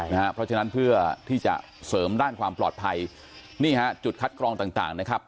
เพราะฉะนั้นเพื่อที่จะเสริมด้านความปลอดภัยนี่ฮะจุดคัดกรองต่างต่างนะครับ